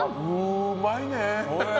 うまいね。